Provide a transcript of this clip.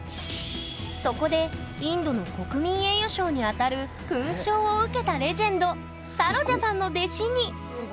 そこでインドの国民栄誉賞に当たる勲章を受けたレジェンドサロジャさんの弟子にすご。